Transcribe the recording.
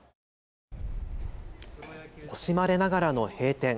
惜しまれながらの閉店。